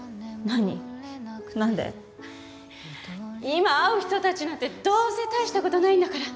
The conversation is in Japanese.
今会う人たちなんてどうせ大した事ないんだから。